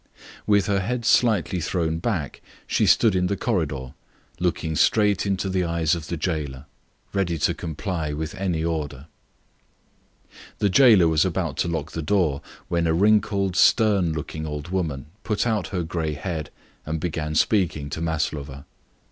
With her head slightly thrown back, she stood in the corridor, looking straight into the eyes of the jailer, ready to comply with any order. The jailer was about to lock the door when a wrinkled and severe looking old woman put out her grey head and began speaking to Maslova.